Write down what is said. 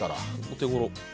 お手頃。